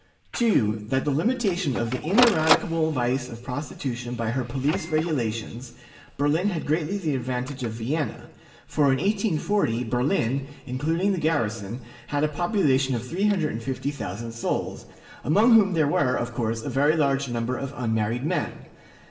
"2. That in the limitation of the ineradicable vice of prostitution by her police regulations, Berlin had greatly the advantage of Vienna; for in 1840, Berlin (including the garrison) had a population of 350,000 souls, among whom there was, of course, a very large number of unmarried men.